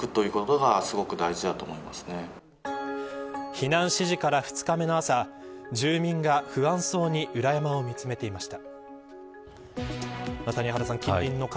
避難指示から２日目の朝住民が、不安そうに裏山を見つめていました。